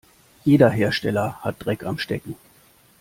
Jeder Hersteller hat Dreck am Stecken.